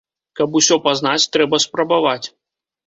Каб усё пазнаць, трэба спрабаваць.